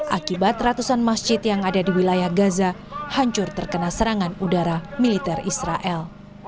akibat ratusan masjid yang ada di wilayah gaza hancur terkena serangan udara militer israel